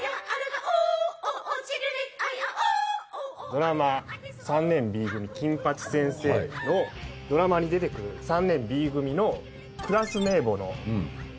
ドラマ『３年Ｂ組金八先生』のドラマに出てくる３年Ｂ組のクラス名簿の名前。